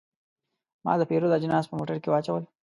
ما د پیرود اجناس په موټر کې واچول.